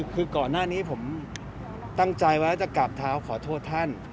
คือก่อนหน้านี้ผมตั้งใจว่าจะกราบเท้าขอโทษท่าน